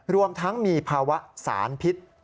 รวมทั้งมีภาวะสารพิษ